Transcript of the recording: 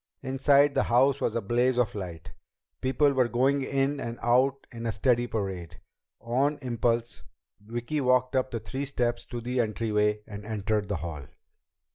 _ Inside, the house was a blaze of light. People were going in and out in a steady parade. On impulse, Vicki walked up the three steps to the entryway and entered the hall.